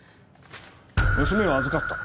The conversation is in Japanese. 「娘は預かった」